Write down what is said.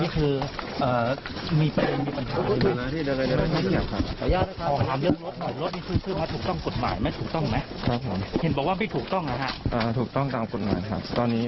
คุณผู้ชมครับ